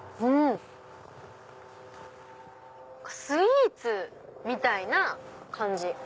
スイーツみたいな感じ。